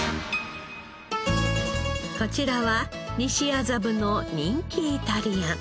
こちらは西麻布の人気イタリアン。